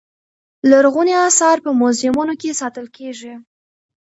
لرغوني اثار په موزیمونو کې ساتل کېږي.